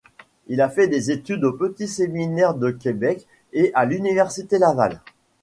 Il a fait des études au Petit séminaire de Québec et à l'Université Laval.